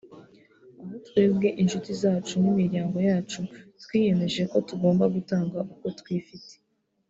aho twebwe inshuti zacu n’ imiryango yacu twiyemeje ko tugomba gutanga uko twifite